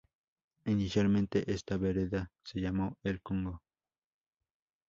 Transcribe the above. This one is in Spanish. Inicialmente esta vereda se llamó El Congo.